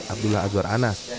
abdullah azwar anas